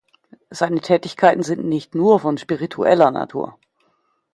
Seine Tätigkeiten sind nicht nur von spiritueller Natur.